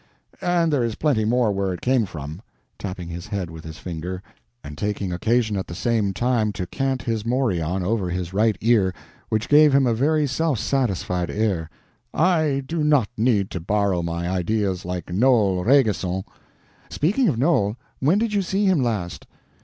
And there is plenty more where it came from"—tapping his head with his finger, and taking occasion at the same time to cant his morion over his right ear, which gave him a very self satisfied air—"I do not need to borrow my ideas, like Noel Rainguesson." "Speaking of Noel, when did you see him last?"